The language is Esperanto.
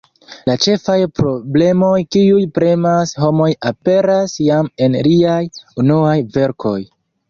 La ĉefaj problemoj kiuj premas homon aperas jam en liaj unuaj verkoj.